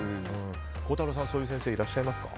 孝太郎さん、そういう先生いらっしゃいますか。